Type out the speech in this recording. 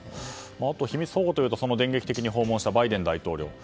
秘密保護というと電撃的に訪問したバイデン大統領。